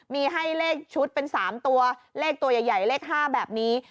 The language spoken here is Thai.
มีให้เลขชุดเป็น๓ตัวเลขตัวใหญ่เลข๕แบบนี้